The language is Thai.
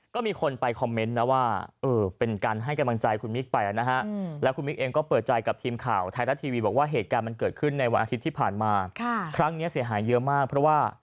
ก็มีคนไปคอมเมนต์นะว่าเออเป็นการให้กำลังใจคุณมิกไปแล้วนะฮะ